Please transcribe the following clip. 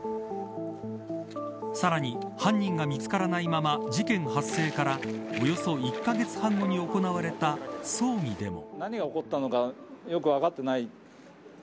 さらに、犯人が見つからないまま事件発生からおよそ１カ月半後に行われた葬儀でも。